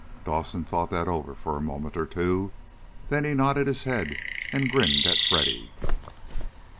Dawson thought that over for a moment or two. Then he nodded his head and grinned at Freddy.